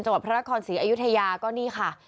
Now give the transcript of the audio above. จังหวัดพระราคอนศรีอายุทยาก็นี่ค่ะ